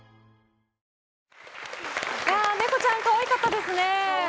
猫ちゃん可愛かったですね。